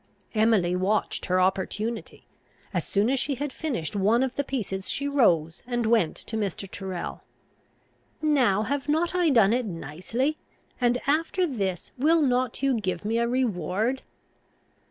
Emily watched her opportunity. As soon as she had finished one of the pieces, she rose and went to Mr. Tyrrel. "Now, have not I done it nicely? and after this will not you give me a reward?"